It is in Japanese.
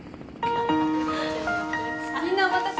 あっ！